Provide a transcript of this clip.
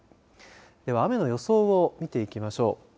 では雨の予想を見ていきましょう。